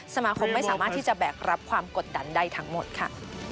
สมาคมไม่สามารถที่จะแบกรับความกดดันได้ทั้งหมดค่ะ